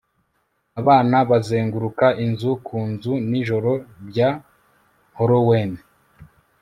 Abana bazenguruka inzu ku nzu nijoro rya Halloween